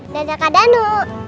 dada kak danu